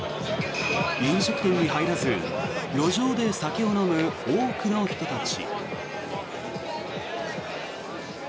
飲食店に入らず路上で酒を飲む多くの人たち。